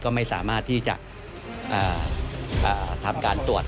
ก็ไม่สามารถที่จะทำการตรวจ